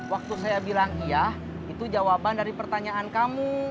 waktu saya bilang iya itu jawaban dari pertanyaan kamu